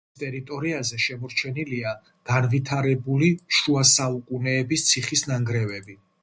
სოფლის ტერიტორიაზე შემორჩენილია განვითარებული შუასაუკუნეების ციხის ნანგრევები.